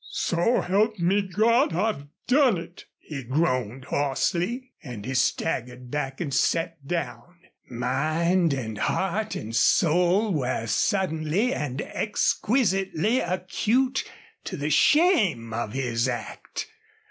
"So help me God, I've done it!" he groaned, hoarsely. And he staggered back and sat down. Mind and heart and soul were suddenly and exquisitely acute to the shame of his act.